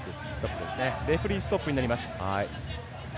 レフェリーストップになります。